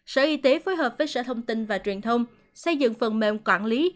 sở y tế phối hợp với sở thông tin và truyền thông xây dựng phần mềm quản lý